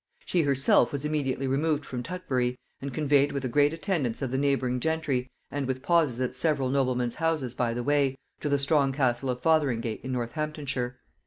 She herself was immediately removed from Tutbury, and conveyed with a great attendance of the neighbouring gentry, and with pauses at several noblemen's houses by the way, to the strong castle of Fotheringay in Northamptonshire.